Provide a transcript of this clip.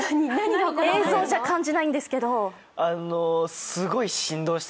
映像じゃ感じないんですけど。